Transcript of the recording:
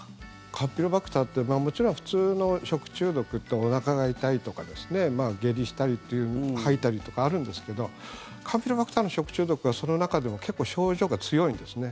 カンピロバクターってもちろん普通の食中毒っておなかが痛いとか下痢したりっていう吐いたりとかあるんですけどカンピロバクターの食中毒はその中でも結構、症状が強いんですね。